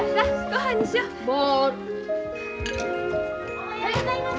・おはようございます。